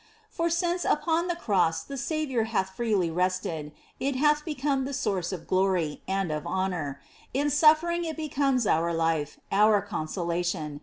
For since upon the Cross the Saviour Hath freely rested. It hath become the source of glory And of honour. In sufíering it becomes our life. Our consolation.